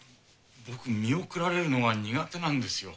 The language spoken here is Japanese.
僕見送られるのが苦手なんですよ。